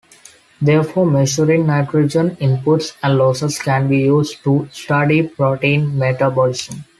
Therefore, measuring nitrogen inputs and losses can be used to study protein metabolism.